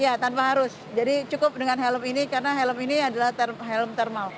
iya tanpa harus jadi cukup dengan helm ini karena helm ini adalah helm thermal